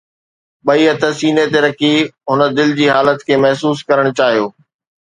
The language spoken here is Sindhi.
ٻئي هٿ سيني تي رکي هن دل جي حالت کي محسوس ڪرڻ چاهيو